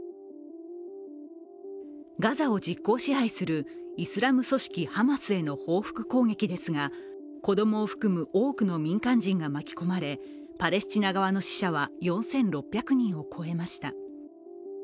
ガザを実効支配するイスラム組織ハマスへの報復攻撃ですが子供を含む多くの民間人が巻き込まれ、パレスチナ側の死者は４６００人を超えました。